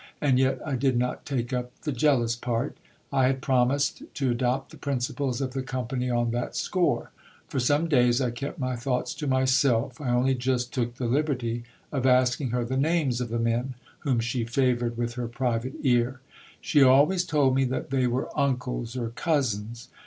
And yet I did not take up the jealous part. I had promised to adopt the principles of the company on that score. P"or some days I kept my thoughts to myself. I only just took the liberty of asking her the names of the men whom she favoured with her private ear. She always told me that they were uncles or cousins.